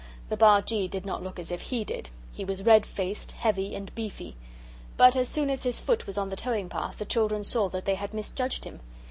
The Bargee did not look as if HE did. He was red faced, heavy, and beefy. But as soon as his foot was on the towing path the children saw that they had misjudged him.